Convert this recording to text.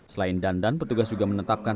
selain dandan petugas juga menetapkan